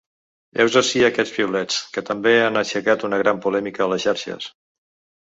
Heus ací aquests piulets, que també han aixecat una gran polèmica a les xarxes.